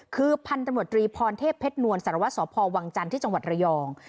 คือพันธมตรีพรเทพเพชรนวลสารวัสสพวังจันทร์ที่จังหวัดระยอง